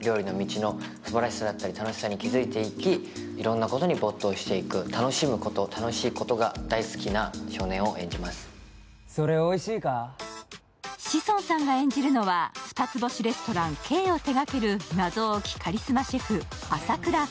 いろんなことに没頭していく、楽しむことが志尊さんが演じるのは、二つ星レストラン、Ｋを手がける謎多きカリスマシェフ、朝倉海。